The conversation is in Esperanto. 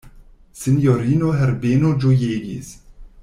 Sinjorino Herbeno ĝojegis.